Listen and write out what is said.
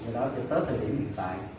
cái đó tới thời điểm hiện tại